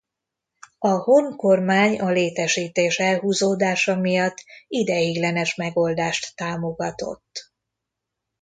A Horn-kormány a létesítés elhúzódása miatt ideiglenes megoldást támogatott.